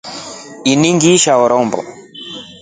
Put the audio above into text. Ini ngeishi rombo.